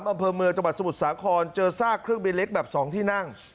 อำเภอเมืองจังหวัดสมุทรสาครเจอซากเครื่องบินเล็กแบบ๒ที่นั่ง